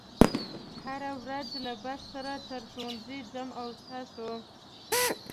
زه هره ورځ له بس سره تر ښوونځي ځم او تاسو